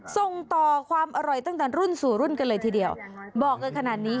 ส่งต่อความอร่อยตั้งแต่รุ่นสู่รุ่นกันเลยทีเดียวบอกกันขนาดนี้